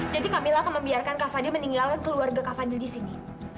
jadi kamila akan membiarkan kak fadil meninggalkan keluarga kak fadil di sini